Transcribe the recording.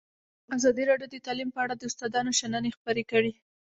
ازادي راډیو د تعلیم په اړه د استادانو شننې خپرې کړي.